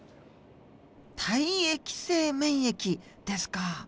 体液性免疫ですか。